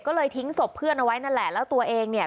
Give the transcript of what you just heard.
ก็เลยทิ้งศพเพื่อนเอาไว้นั่นแหละแล้วตัวเองเนี่ย